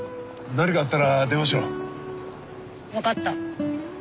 分かった。